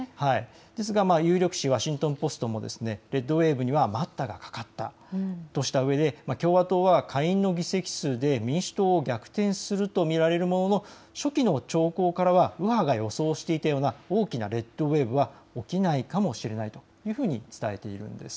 ですが有力紙、ワシントン・ポストもレッド・ウェーブには待ったがかかったとしたうえで共和党は下院の議席数で民主党を逆転すると見られるものの、初期の兆候からは右派が予想していたような大きなレッド・ウェーブは起きないかもしれないと伝えているんです。